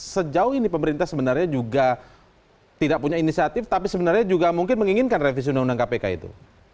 sejauh ini pemerintah sebenarnya juga tidak punya inisiatif tapi sebenarnya juga mungkin menginginkan revisi undang undang kpk itu